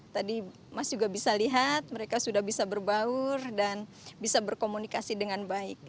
jadi mas juga bisa lihat mereka sudah bisa berbaur dan bisa berkomunikasi dengan baik